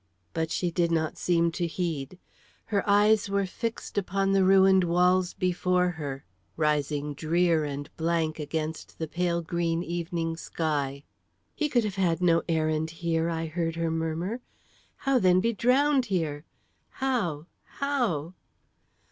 But she did not seem to heed. Her eyes were fixed upon the ruined walls before her, rising drear and blank against the pale green evening sky. "He could have had no errand here," I heard her murmur. "How then be drowned here? how? how?"